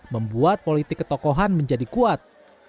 membuat politik ketokohan menjadi kuat